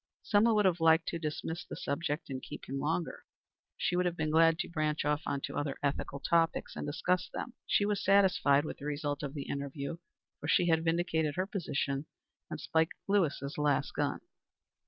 Selma would have liked to dismiss the subject and keep him longer. She would have been glad to branch off on to other ethical topics and discuss them. She was satisfied with the result of the interview, for she had vindicated her position and spiked Lewis's last gun.